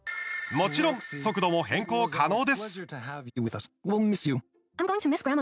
もちろん、速度も変更可能です。